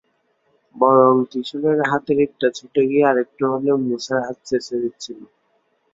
বরং কিশোরের হাতের ইঁটটা ছুটে গিয়ে আরেকটু হলেই মুসার হাত ছেঁচে দিচ্ছিল।